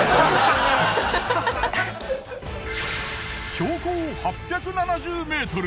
標高８７０ｍ。